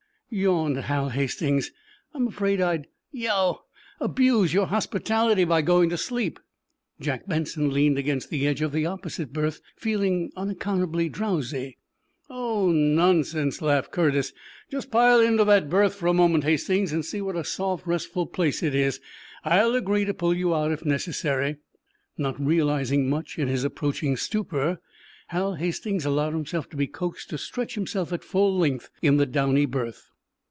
yawned Hal Hastings. "I'm afraid I'd—yow!—abuse your hospitality by going to sleep." Jack Benson leaned against the edge of the opposite berth, feeling unaccountably drowsy. "Oh, nonsense," laughed Curtis. "Just pile into that berth for a moment, Hastings, and see what a soft, restful place it is. I'll agree to pull you out, if necessary." Not realizing much, in his approaching stupor, Hal Hastings allowed himself to be coaxed to stretch himself at full length in the downy berth.